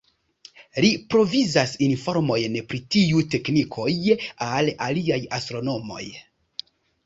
Li provizas informojn pri tiu teknikoj al aliaj astronomoj.